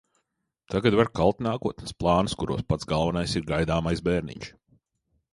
Tagad var kalt nākotnes plānus, kuros pats galvenais ir gaidāmais bērniņš.